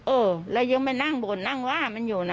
เออแล้วยังไปนั่งบ่นนั่งว่ามันอยู่นะ